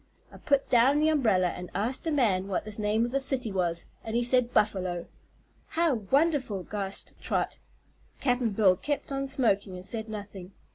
I put down the umbrella and asked a man what the name of the city was, and he said 'Buffalo.'" "How wonderful!" gasped Trot. Cap'n Bill kept on smoking and said nothing.